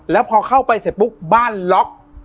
แล้วพอเข้าไปเสร็จปุ๊บบ้านล็อก